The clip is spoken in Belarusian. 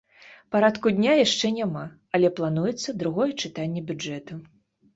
Парадку дня яшчэ няма, але плануецца другое чытанне бюджэту.